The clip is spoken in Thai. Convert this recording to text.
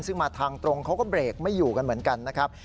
ซึ่งมาทางตรงเขาก็เบรกไม่อยู่กันเหมือนกันนะครับ